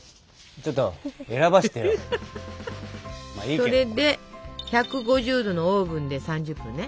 それで１５０℃のオーブンで３０分ね。